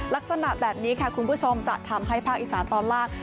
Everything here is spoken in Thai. ลักษณะแบบนี้ค่ะคุณผู้ชมจะทำให้ภาคอีสานตอนล่าง